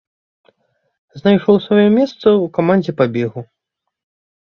Знайшоў сваё месца ў камандзе па бегу.